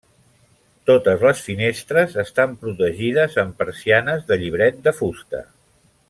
Totes les finestres estan protegides amb persianes de llibret de fusta.